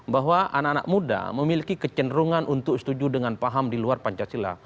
bahwa anak anak muda memiliki kecenderungan untuk setuju dengan paham di luar pancasila